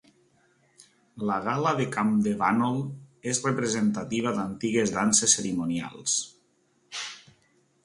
La Gala de Campdevànol és representativa d'antigues danses cerimonials.